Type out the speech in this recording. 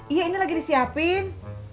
iya ini lagi disiapin